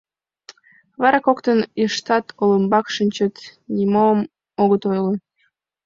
Вара коктынат йыштак олымбак шинчыт, нимом огыт ойло.